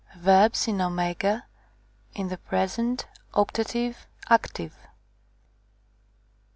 Verbs in @, in the present, optative, active.